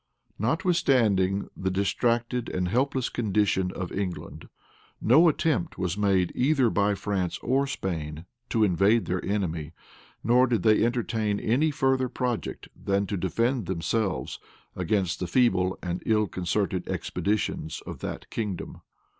Notwithstanding the distracted and helpless condition of England, no attempt was made either by France or Spain to invade their enemy nor did they entertain any further project than to defend themselves against the feeble and ill concerted expeditions of that kingdom.